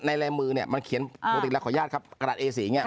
ลายมือเนี่ยมันเขียนปกติแล้วขออนุญาตครับกระดาษเอสีอย่างนี้